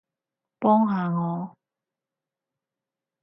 幫下我